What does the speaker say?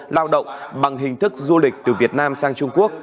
lao động bằng hình thức du lịch từ việt nam sang trung quốc